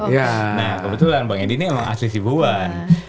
nah kebetulan bang edi ini emang asli sibu huan